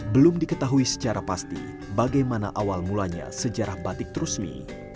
belum diketahui secara pasti bagaimana awal mulanya sejarah batik trusmi